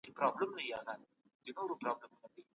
آیا تقسیمات د ټولنیزو طبقو په جوړښت کي مرسته کوي؟